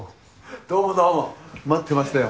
どうもどうも待ってましたよ。